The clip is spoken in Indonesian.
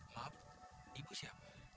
maaf ibu siapa